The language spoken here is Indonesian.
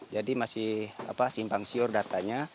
jadi masih simpang siur datanya